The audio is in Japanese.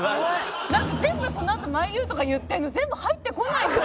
なんか全部そのあと「まいう」とか言ってるの全部入ってこないんですよ。